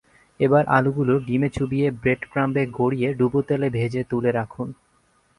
এবার আলুগুলো ডিমে চুবিয়ে ব্রেড ক্রাম্বে গড়িয়ে ডুবো তেলে ভেজে তুলে রাখুন।